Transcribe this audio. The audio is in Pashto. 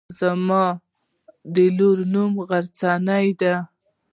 زما د لور نوم غرڅنۍ دی.